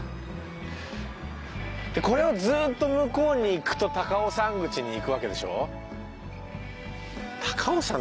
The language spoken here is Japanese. でこれをずっと向こうに行くと高尾山口に行くわけでしょ？